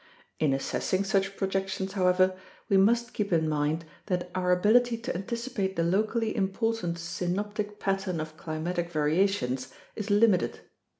In assessing such projections, however, we must keep in mind that our ability to anticipate the locally important synoptic pattern of climatic variations is limited.